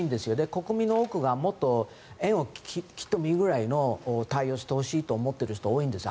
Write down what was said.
国民の多くがもっと縁を切ってもいいぐらいの対応をしてほしいと思っている人が多いんです。